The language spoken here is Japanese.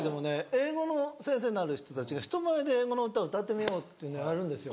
英語の先生になる人たちが人前で英語の歌を歌ってみようっていうのをやるんですよ。